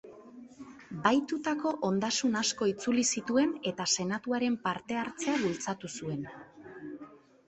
Bahitutako ondasun asko itzuli zituen eta Senatuaren parte-hartzea bultzatu zuen.